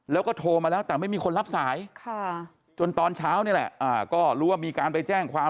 แล้วก็โทรมาแล้วแต่ไม่มีคนรับสายจนตอนเช้านี่แหละก็รู้ว่ามีการไปแจ้งความ